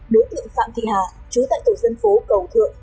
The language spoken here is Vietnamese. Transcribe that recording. đối tượng phạm thị hà chú tại tổ dân phố cầu thượng